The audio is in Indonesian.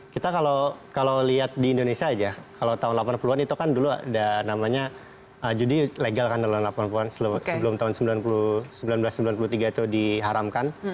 kita kalau lihat di indonesia aja kalau tahun delapan puluh an itu kan dulu ada namanya judi legal kan tahun delapan puluh an sebelum tahun seribu sembilan ratus sembilan puluh tiga itu diharamkan